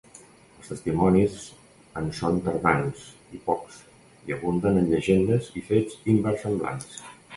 Els testimonis en són tardans i pocs, i abunden en llegendes i fets inversemblants.